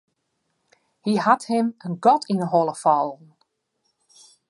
Hy hat him in gat yn 'e holle fallen.